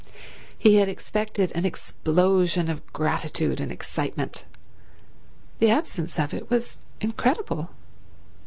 He had expected an explosion of gratitude and excitement. The absence of it was incredible.